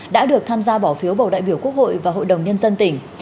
đã được tham gia bỏ phiếu bầu đại biểu quốc hội và hội đồng nhân dân tỉnh